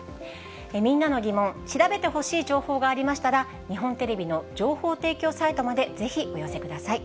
みんなのギモン、調べてほしい情報がありましたら、日本テレビの情報提供サイトまでぜひお寄せください。